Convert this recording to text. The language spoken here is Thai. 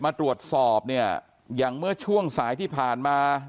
มาตรวจสอบเนี่ยอย่างเมื่อช่วงสายที่ผ่านมา